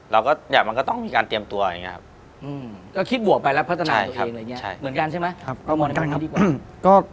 เราก็มันก็ต้องมีการเตรียมตัวใช่ไหมเหมือนกันใช่ไหมมองตรงนี้ดีกว่า